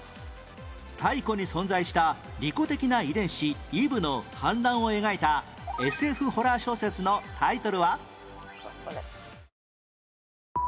太古に存在した利己的な遺伝子「イヴ」の反乱を描いた ＳＦ ホラー小説のタイトルは？